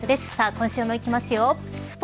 今週もいきますよ。